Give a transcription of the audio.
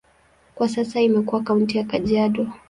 Kwa sasa imekuwa kaunti ya Kajiado.